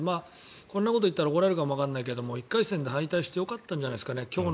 こんなこと言ったら怒られるかもだけど１回戦で敗退してよかったんじゃないですかね。